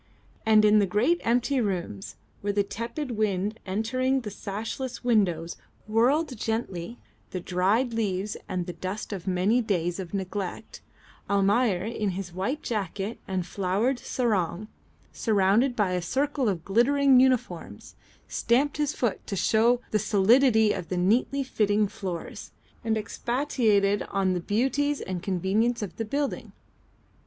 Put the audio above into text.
And in the great empty rooms where the tepid wind entering through the sashless windows whirled gently the dried leaves and the dust of many days of neglect, Almayer in his white jacket and flowered sarong, surrounded by a circle of glittering uniforms, stamped his foot to show the solidity of the neatly fitting floors and expatiated upon the beauties and convenience of the building.